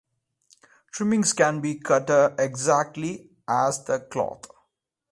Trimmings can be cut as exactly as the cloth.